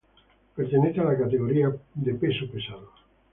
Pertenece a la categoría peso pesado.